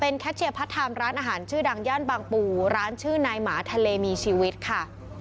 แคชเชียร์พาร์ทไทม์ร้านอาหารชื่อดังย่านบางปู่ร้านชื่อนายหมาทะเลมีชีวิตค่ะ